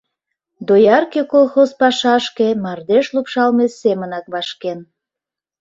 Доярке колхоз пашашке мардеж лупшалме семынак вашкен.